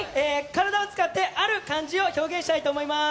体を使って、ある漢字を表現したいと思います。